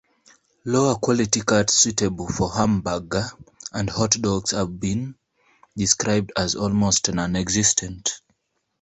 Lower-quality cuts suitable for hamburger and hot dogs have been described as "almost nonexistent".